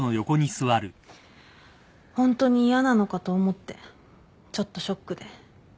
ホントに嫌なのかと思ってちょっとショックで。